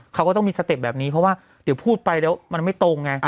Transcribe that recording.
เขาก็ต้องมีสเต็ปแบบนี้เพราะว่าเดี๋ยวพูดไปแล้วมันไม่ตรงไง